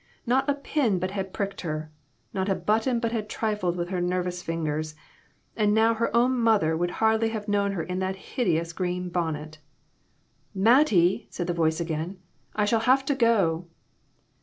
Not a pin but had pricked her; not a button but had trifled with her nervous fin gers ; and now her own mother would hardly have known her in that hideous green bonnet. " Mattie !" said the voice again, "I shall have to go."